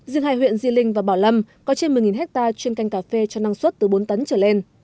riêng hai huyện di linh và bảo lâm có trên một mươi hectare chuyên canh cà phê cho năng suất từ bốn tấn trở lên